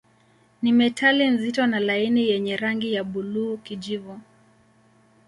Ni metali nzito na laini yenye rangi ya buluu-kijivu.